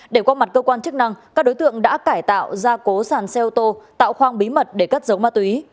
để qua mặt cơ quan chức năng các đối tượng đã cải tạo ra cố sàn xe ô tô tạo khoang bí mật để cất giấu ma túy